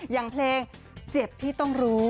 อย่างเพลงเจ็บที่ต้องรู้